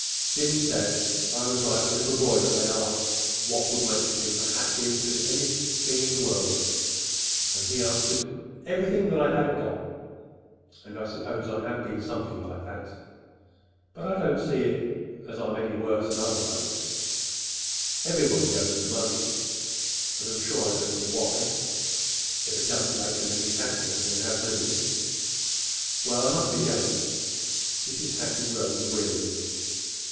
Jim said I was like the little boy that they asked what would make him the happiest of anything in the world, and he answered, 'Everything that I haven't got.' And I suppose I have been something like that. But I don't see as I'm any worse than other folks. Everybody goes for money; but I'm sure I don't see why—if it doesn't make them any happier than it has me! Well, I must be going." Mrs. Hattie rose wearily.